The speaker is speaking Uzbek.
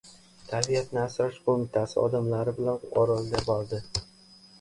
Tabiatni asrash qo‘mitasi odamlari bilan Orolga bordi.